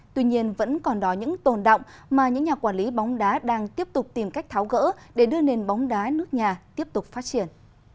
tuy nhiên vẫn còn đó những tồn động mà những nhà quản lý bóng đá đang tiếp tục tìm cách tháo gỡ để đưa nền bóng đá nước nhà tiếp tục phát triển